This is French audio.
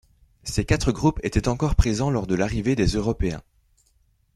Ces quatre groupes étaient encore présents lors de l’arrivée des Européens.